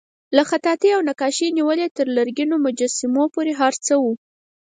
له خطاطۍ او نقاشۍ نیولې تر لرګینو مجسمو پورې هر څه وو.